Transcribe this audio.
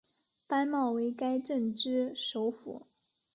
班茂为该镇之首府。